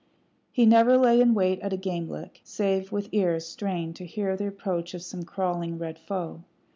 He never lay in wait at a game lick, save with ears strained to hear the approach of some crawling red foe.